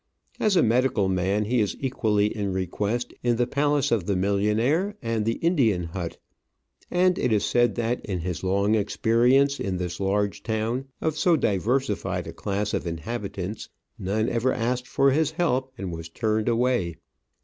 As a medical man he is equally in request in the palace of the millionaire and the Indian hut; and it is said that in his long experience in this large town of so diversified a class of inhabit ants none ever asked for his help and was turned Digitized by VjOOQIC no Travels and Adventures away.